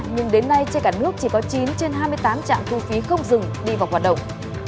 nhưng đến nay trên cả nước chỉ có chín trên hai mươi tám trạm thu phí không dừng đi vào hoạt động